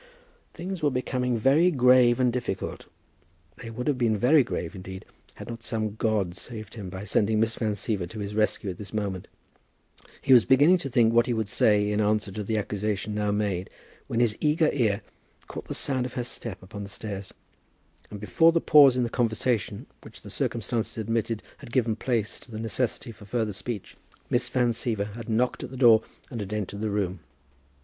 Things were becoming very grave and difficult. They would have been very grave, indeed, had not some god saved him by sending Miss Van Siever to his rescue at this moment. He was beginning to think what he would say in answer to the accusation now made, when his eager ear caught the sound of her step upon the stairs; and before the pause in the conversation which the circumstances admitted had given place to the necessity for further speech, Miss Van Siever had knocked at the door and had entered the room.